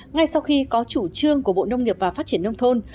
ngay sau khi có chủ trương của bộ nông nghiệp và phát triển nông thôn